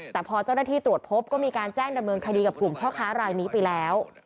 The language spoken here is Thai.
แต่พอเจ้าหน้าที่ตรวจพบก็มีการแจ้งดำเนินคดีกับกลุ่มพ่อค้ารายนี้ไปแล้ว